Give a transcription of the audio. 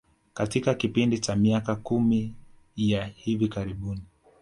Katika kipindi cha miaka kumi ya hivi karibuni